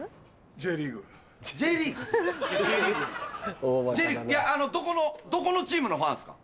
Ｊリーグいやどこのどこのチームのファンっすか？